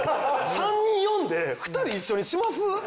３人呼んで２人一緒にします？